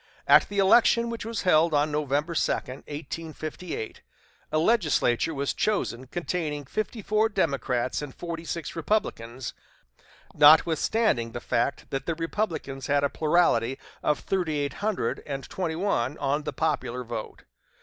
At the election which was held on November 2, 1858, a legislature was chosen containing fifty four Democrats and forty six Republicans, notwithstanding the fact that the Republicans had a plurality of thirty eight hundred and twenty one on the popular vote.